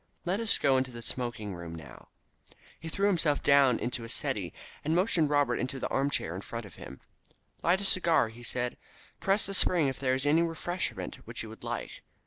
Let us go into the smoking room now." He threw himself down into a settee, and motioned Robert into the armchair in front of him. "Light a cigar," he said. "Press the spring if there is any refreshment which you would like.